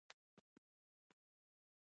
د موبایل ټچ مې ځنډ لري.